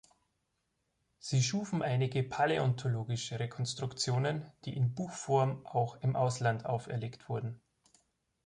Sie schufen einige paläontologische Rekonstruktionen, die in Buchform auch im Ausland auferlegt wurden.